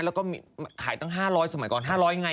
แล้วก็มีขายตั้ง๕๐๐บาทสมัยก่อน๕๐๐บาทยังไง